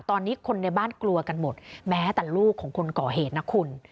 ตอนนี้คนในบ้านกลัวกันหมดแม้แต่ลูกของคนก่อเหตุนะคุณ